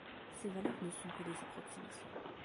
Ces valeurs ne sont que des approximations.